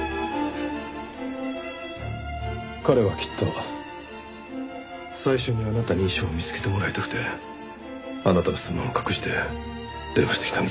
彼はきっと最初にあなたに遺書を見つけてもらいたくてあなたのスマホを隠して電話してきたんですね。